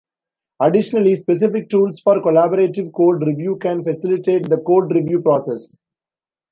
Additionally, specific tools for collaborative code review can facilitate the code review process.